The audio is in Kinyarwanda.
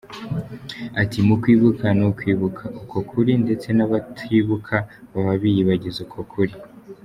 Ati “Mu kwibuka ni ukwibuka uko kuri ndetse n’abatibuka baba biyibagiza uko kuri.